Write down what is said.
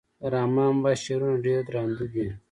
د رحمان بابا شعرونه ډير درانده دي.